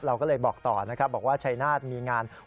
เราก็เลยบอกต่อนะครับบอกว่าชัยนาฏมีงาน